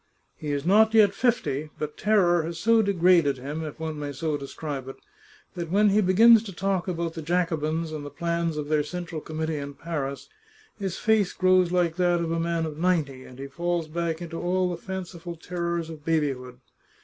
He is not yet fifty, but terror has so degraded him, if one may so describe it, that when he begins to talk about the Jacobins and the plans of their Central Committee in Paris his face grows like that of a man of ninety, and he falls back into all the fanciful terrors of babyhood.